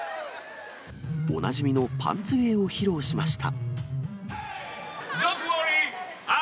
おなじみのパンツ芸を披露しました。